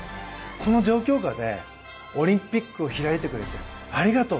この状況下でオリンピックを開いてくれてありがとう。